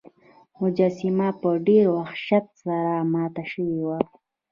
مجسمه په ډیر وحشت سره ماته شوې وه.